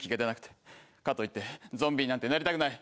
かといってゾンビになんてなりたくない。